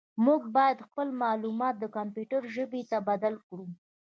موږ باید خپل معلومات د کمپیوټر ژبې ته بدل کړو.